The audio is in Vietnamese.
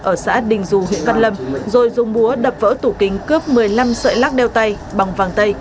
ở xã đình dù huyện văn lâm rồi dùng búa đập vỡ tủ kính cướp một mươi năm sợi lắc đeo tay bằng vàng tây